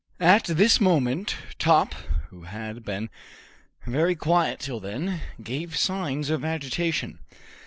At this moment Top, who had been very quiet till then, gave signs of agitation.